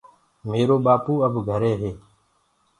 ميرو ٻآپو اب گھري هي۔